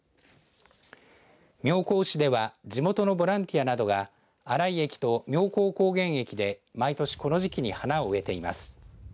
妙高市では地元のボランティアなどが新井駅と妙高高原駅で毎年この時期に花を植えています。